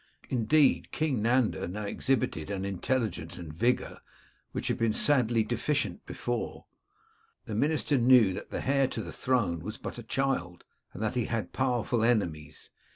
Indeed, King Nanda now exhibited an intelligence and vigour which had been sadly deficient before. The minister knew that the heir to the throne was but a child, and that he had powerful enemies.